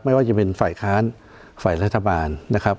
ไม่ว่าจะเป็นฝ่ายค้านฝ่ายรัฐบาลนะครับ